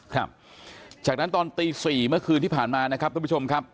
ครับจากนั้นตอนตี๔เมื่อคืนที่ผ่านมานะครับทุกผู้ชมครับ